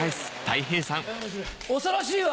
恐ろしいわ！